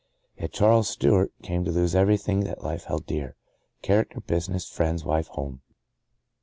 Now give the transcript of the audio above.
Yet Charles Stewart came to lose every thing that life held dear — character, business, friends, wife, home.